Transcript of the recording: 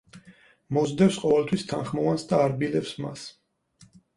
მოსდევს ყოველთვის თანხმოვანს და არბილებს მას.